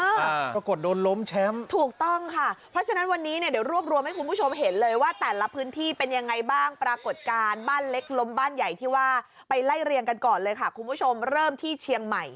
ปรากฏโดนล้มแชมป์ถูกต้องค่ะเพราะฉะนั้นวันนี้เนี่ยเดี๋ยวรวบรวมให้คุณผู้ชมเห็นเลยว่าแต่ละพื้นที่เป็นยังไงบ้างปรากฏการณ์บ้านเล็กล้มบ้านใหญ่ที่ว่าไปไล่เรียงกันก่อนเลยค่ะคุณผู้ชมเริ่มที่เชียงใหม่